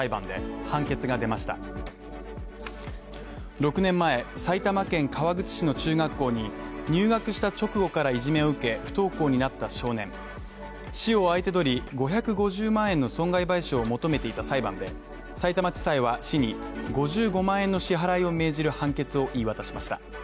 ６年前、埼玉県川口市の中学校に入学した直後からいじめを受け不登校になった少年市を相手取り、５５０万円の損害賠償を求めていた裁判で、さいたま地裁は市に５５万円の支払いを命じる判決を言い渡しました。